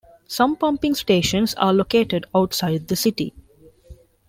Some pumping stations are located outside the city.